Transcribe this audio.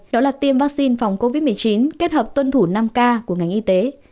đó là tiêm vaccine phòng covid một mươi chín kết hợp tuân thủ năm k của ngành y tế